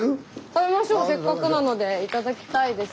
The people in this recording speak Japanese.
食べましょうせっかくなので頂きたいです。